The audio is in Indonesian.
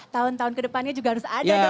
tahun tahun ke depannya juga harus ada dong pak